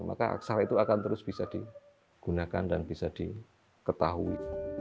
maka aksara itu akan terus bisa digunakan dan bisa diketahui